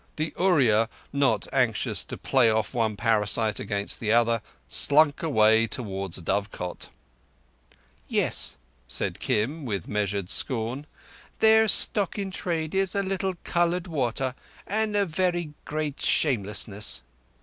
The Oorya, not unanxious to play off one parasite against the other, slunk away towards the dovecote. "Yes," said Kim, with measured scorn. "Their stock in trade is a little coloured water and a very great shamelessness.